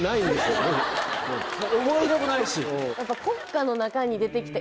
思い入れもないし。